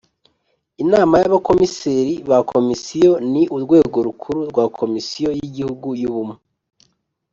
Inama y Abakomiseri ba Komisiyo ni urwego rukuru rwa Komisiyo y Igihugu y Ubumwe